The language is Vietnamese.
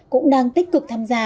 cũng đang tích cực tham gia